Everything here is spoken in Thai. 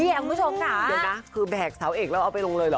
เดี๋ยวนะคือแบกเสาเอกแล้วเอาไปลงเลยหรอ